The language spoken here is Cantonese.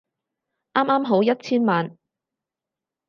啱啱好一千萬